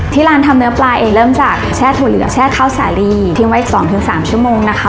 ที่ร้านทำเนื้อปลาเองเริ่มจากแช่ถั่วเหลืองแช่ข้าวสาลีทิ้งไว้อีกสองถึงสามชั่วโมงนะคะ